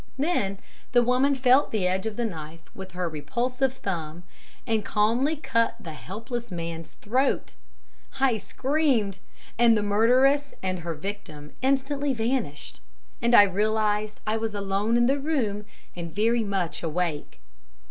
Then the woman felt the edge of the knife with her repulsive thumb, and calmly cut the helpless man's throat. I screamed and the murderess and her victim instantly vanished and I realized I was alone in the room and very much awake.